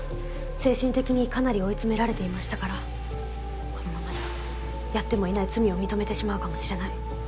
精神的にかなり追い詰められていましたからこのままじゃやってもいない罪を認めてしまうかもしれない。